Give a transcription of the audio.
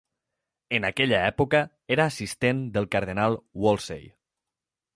En aquella època, era assistent del cardenal Wolsey.